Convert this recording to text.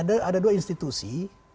ada dua institusi